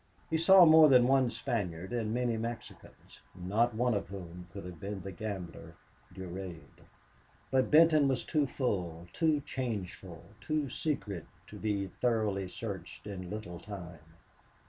He saw more than one Spaniard and many Mexicans, not one of whom could have been the gambler Durade. But Benton was too full, too changeful, too secret to be thoroughly searched in little time.